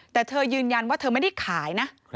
แต่เธอยืนยันว่าเธอไม่ได้ขายนะ